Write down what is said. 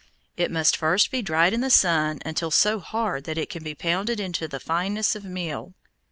It must first be dried in the sun until so hard that it can be pounded to the fineness of meal.